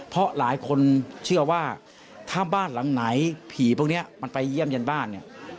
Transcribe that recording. เพราะหลายคนเชื่อว่าถ้าบ้านหลังไหนผีพวกนี้มันไปเยี่ยมยันบ้านเนี่ย